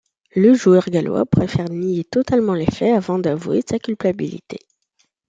Le joueur gallois préfère nier totalement les faits avant d'avouer sa culpabilité'.